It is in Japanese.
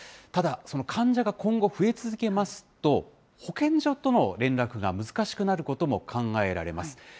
ただ、その患者が今後、増え続けますと、保健所との連絡が難しくなることも考えられます。